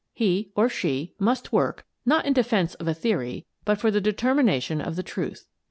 He — or she — must work, not in defence of a theory, but for the determination of the truth.